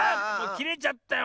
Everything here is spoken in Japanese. きれちゃったよ